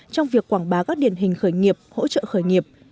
trong việc quảng bá các điển hình khởi nghiệp hỗ trợ khởi nghiệp